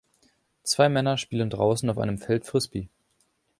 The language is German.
Zwei Männer spielen draußen auf einem Feld Frisbee.